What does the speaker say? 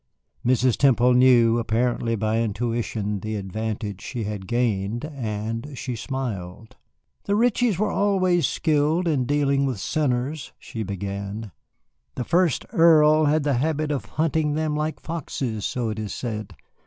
Mrs. Temple knew, apparently by intuition, the advantage she had gained, and she smiled. "The Ritchies were always skilled in dealing with sinners," she began; "the first earl had the habit of hunting them like foxes, so it is said.